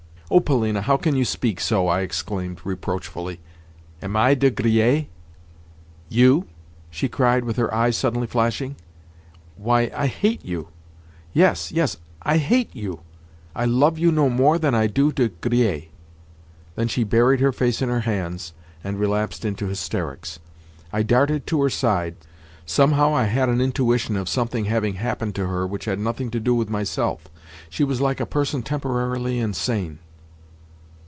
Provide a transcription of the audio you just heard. "Oh Polina, how can you speak so?" I exclaimed reproachfully. "Am I De Griers?" "You?" she cried with her eyes suddenly flashing. "Why, I hate you! Yes, yes, I hate you! I love you no more than I do De Griers." Then she buried her face in her hands, and relapsed into hysterics. I darted to her side. Somehow I had an intuition of something having happened to her which had nothing to do with myself. She was like a person temporarily insane.